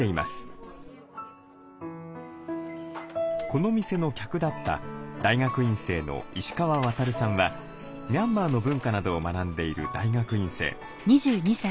この店の客だった大学院生の石川航さんはミャンマーの文化などを学んでいる大学院生。